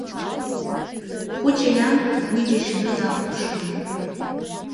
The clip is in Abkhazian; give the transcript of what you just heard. Хәыча иан уи џьашьаны дахәаԥшуан.